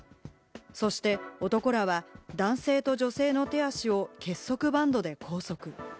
そして男らは男性と女性の手足を結束バンドで拘束。